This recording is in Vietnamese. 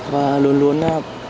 và luôn luôn